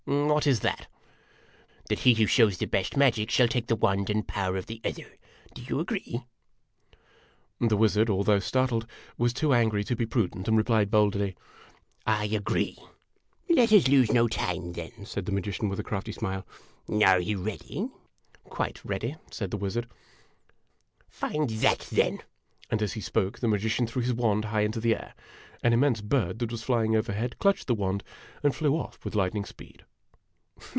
"What is that?" "That he who shows the best mao'ic shall take the wand and o power of the other. Do you agree ?' The wizard, although startled, was too angry to be prudent, and replied boldly :" I agree !'" Let us lose no time, then," said the magician, with a crafty smile. " Are you ready ?"" Quite ready," said the wizard. " Find that, then !" And, as he spoke, the magician threw his wand high into the air. An immense bird that was flying overhead clutched the wand, and flew oft" with lightning speed.